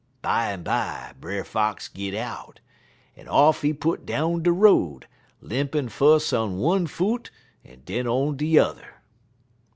Bimeby Brer Fox git out, en off he put down de road, limpin' fus' on one foot en den on de yuther."